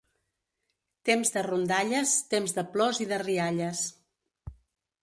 Temps de rondalles, temps de plors i de rialles.